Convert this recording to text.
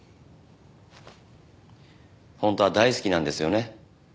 本当は大好きなんですよね？